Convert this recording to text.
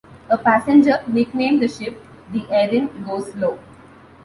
A passenger nicknamed the ship the "Erin-go-Slow".